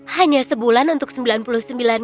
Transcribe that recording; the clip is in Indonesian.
hanya sebulan untuk sembilan puluh sembilan